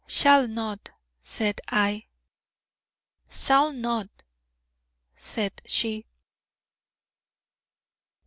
'Shall not,' said I. 'Sall not,' said she.